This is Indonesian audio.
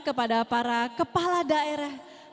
kepada para ketua dpp pdi perjuangan yang kami cintai